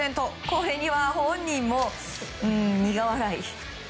これには本人も苦笑い。